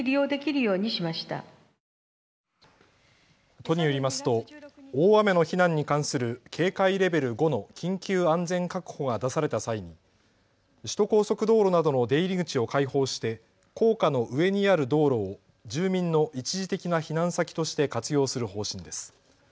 都によりますと大雨の避難に関する警戒レベル５の緊急安全確保が出された際に首都高速道路などの出入り口を開放して高架の上にある道路を住民の一時的な避難先として活用する方針です。